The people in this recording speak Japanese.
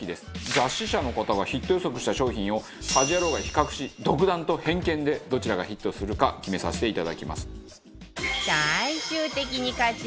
雑誌社の方がヒット予測した商品を『家事ヤロウ！！！』が比較し独断と偏見でどちらがヒットするか決めさせていただきます。